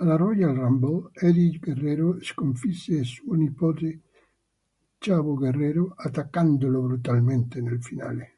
Alla Royal Rumble, Eddie Guerrero sconfisse suo nipote Chavo Guerrero, attaccandolo brutalmente nel finale.